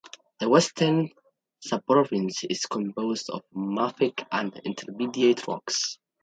The western subprovince is composed of mafic and intermediate rocks.